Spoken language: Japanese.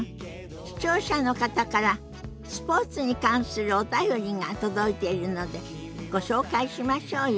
視聴者の方からスポーツに関するお便りが届いているのでご紹介しましょうよ。